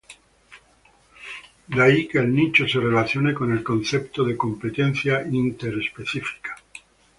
De ahí que el nicho se relacione con el concepto de competencia interespecífica.